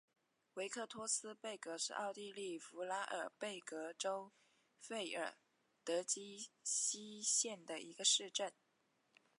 维克托斯贝格是奥地利福拉尔贝格州费尔德基希县的一个市镇。